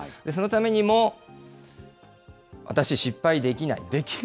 そのためにも、私、失敗できない。